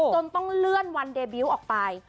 จนต้องเลื่อนวันเดบิวต์ออกไป